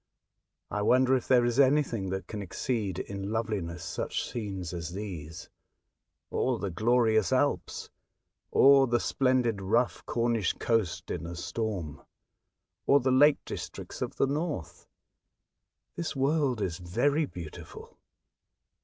'' I wonder if there is anything that can exceed in loveliness such scenes as these, or the glorious Alps, or the splendid rough Cornish coast in a storm, or the lake districts of the north. This world is very beautiful."